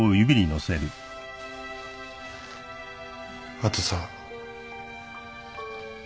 あとさ。